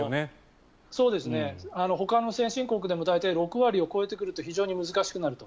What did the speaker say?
ほかの先進国でも６割を超えてくると非常に難しくなると。